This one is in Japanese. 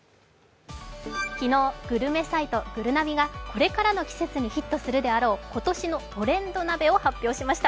昨日、グルメサイト、ぐるなびがこれからの季節にヒットするであろう今年のトレンド鍋を発表しました。